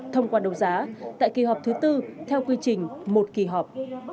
thông qua đấu giá tại kỳ họp thứ tư theo quy trình một kỳ họp